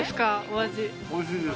お味。